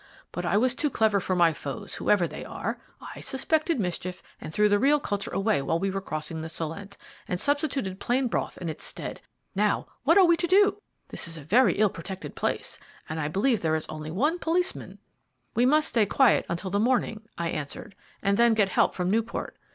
But I was too clever for my foes, whoever they are. I suspected mischief, and threw the real culture away while we were crossing the Solent, and substituted plain broth in its stead. Now, what are we to do? This is a very ill protected place, and I believe there is only one policeman." "We must stay quiet until the morning," I answered, "and then get help from Newport.